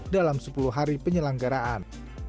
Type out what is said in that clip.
dalam sepuluh hari penyelenggaraan